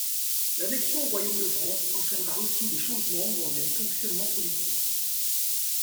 L’annexion au royaume de France entraînera aussi des changements dans les fonctionnements politiques.